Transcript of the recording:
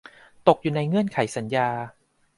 ตกอยู่ในเงื่อนไขสัญญา